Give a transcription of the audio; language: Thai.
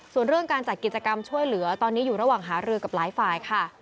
ส่วนเรื่องการจัดกิจกรรมช่วยเหลือตอนนี้อยู่ระหว่างหารือกับหลายฝ่ายค่ะ